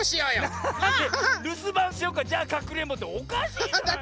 るすばんしようかじゃあかくれんぼっておかしいじゃないの！